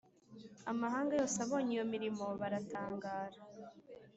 amahanga yose abonye iyo mirimo baratangara